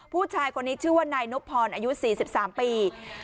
ผู้ชายคนนี้ชื่อว่านายนบพรอายุ๔๓ปี